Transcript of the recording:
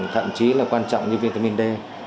thậm chí là quan trọng như vitamin d